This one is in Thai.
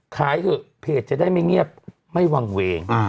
เถอะเพจจะได้ไม่เงียบไม่วางเวง